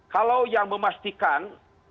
kalau yang memastikan